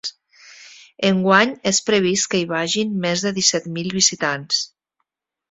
Enguany és previst que hi vagin més de disset mil visitants.